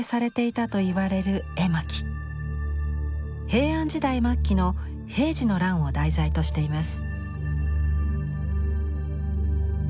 平安時代末期の平治の乱を題材としています。